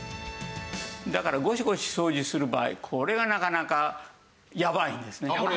だからゴシゴシ掃除する場合これがなかなかやばいんですね。